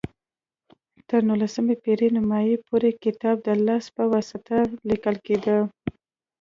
تر نولسمې پېړۍ نیمايي پورې کتاب د لاس په واسطه لیکل کېده.